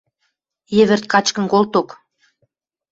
Йӹвӹрт качкын колток.